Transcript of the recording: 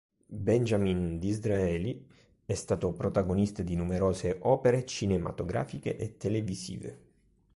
Benjamin Disraeli è stato protagonista di numerose opere cinematografiche e televisive.